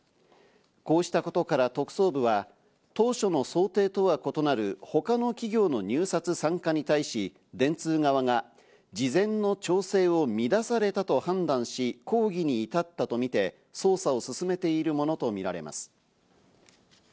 こうしたことから特捜部は、当初の想定とは異なる他の企業の入札参加に対し、電通側が事前の調整を乱されたと判断し、抗議に至ったとみて、捜査を進めているものとみられます。